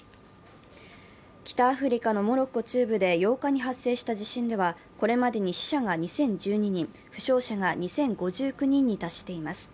北アフリカのモロッコ中部で８日に発生した地震では、これまでに死者が２０１２人、負傷者が２０５９人に達しています。